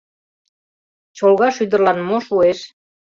Чолга шӱдырлан мо шуэш?